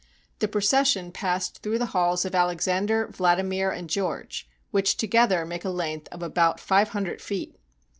The procession passed through the halls of Alexander, Vladimir, and George, which together make a length of about five hundred feet.